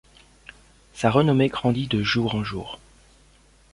Sa renommée grandit de jour en jour.